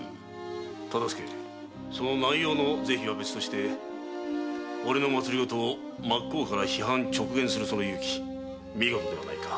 忠相その内容の是非は別として俺の政を真っ向から批判・直言するその勇気見事ではないか。